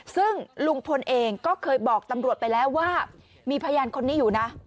ซึ่งลุงพลเองก็เคยบอกตำรวจไปแล้วว่ามีพยานคนนี้อยู่นะ